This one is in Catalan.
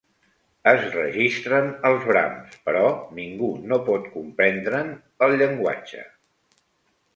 Es registren els brams, però ningú no pot comprendre'n el llenguatge.